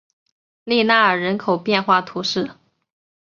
利纳尔人口变化图示